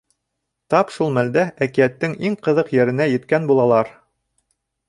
Тап шул мәлдә әкиәттең иң ҡыҙыҡ еренә еткән булалар.